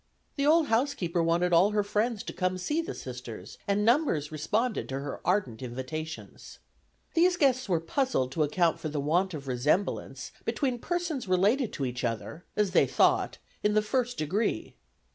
The old housekeeper wanted all her friends to come to see the Sisters, and numbers responded to her ardent invitations. These guests were puzzled to account for the want of resemblance between persons related to each other, as they thought, in the first degree.